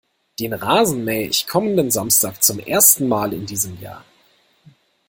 Den Rasen mähe ich kommenden Samstag zum ersten Mal in diesem Jahr.